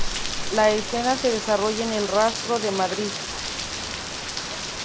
La escena se desarrolla en el rastro de Madrid.